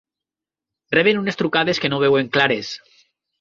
Reben unes trucades que no veuen clares.